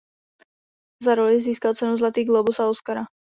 Za roli získal cenu Zlatý glóbus a Oscara.